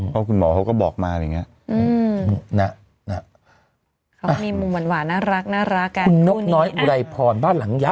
ว่าคุณหมอเขาก็บอกมาเรื่องนี้นะมีมุมหวานหวานน่ารักน่ารักการคู่นี้